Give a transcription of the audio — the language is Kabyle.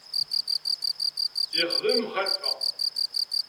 Yexdem mxalfa.